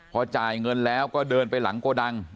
พอจ่ายเงินแล้วก็เดินไปหลังโกดัง